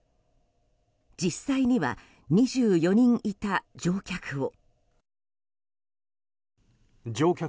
実際には２４人いた乗客を。